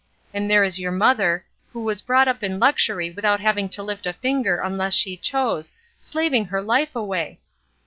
And there is your mother, who was brought up in luxury without having to lift her finger unless she chose, slav ing her life away!